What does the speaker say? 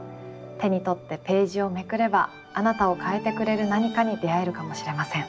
手に取ってページをめくればあなたを変えてくれる何かに出会えるかもしれません。